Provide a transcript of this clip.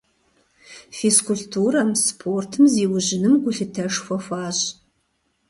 Физкультурэм, спортым зиужьыным гулъытэшхуэ хуащӀ.